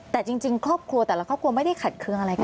แต่จริงครอบครัวแต่ละครอบครัวไม่ได้ขัดเครื่องอะไรกัน